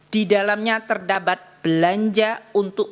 di dalamnya terdapat belanja untuk